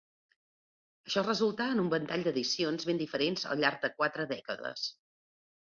Això resultà en un ventall d'edicions ben diferents al llarg de quatre dècades.